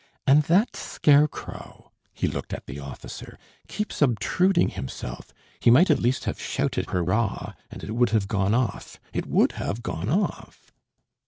"And that scarecrow" (he looked at the officer) "keeps obtruding himself. He might at least have shouted 'hurrah!' and it would have gone off, it would have gone off...."